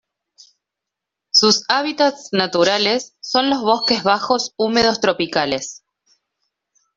Sus hábitats naturales son los bosques bajos húmedos tropicales.